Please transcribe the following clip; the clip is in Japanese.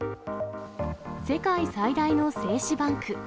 世界最大の精子バンク。